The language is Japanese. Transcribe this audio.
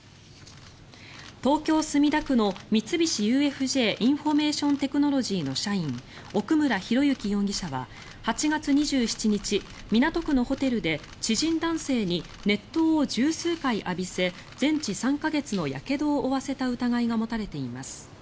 東京・墨田区の三菱ＵＦＪインフォメーションテクノロジーの社員奥村啓志容疑者は８月２７日、港区のホテルで知人男性に熱湯を１０数回浴びせ全治３か月のやけどを負わせた疑いが持たれています。